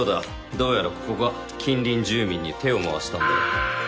どうやらここが近隣住民に手を回したんだろう。